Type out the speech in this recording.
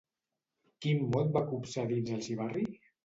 Quin mot va copsar dins el xivarri?